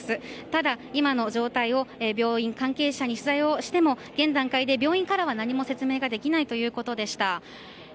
ただ、今の状態を病院関係者に取材をしても現段階で病院からは何も説明ができないということでした。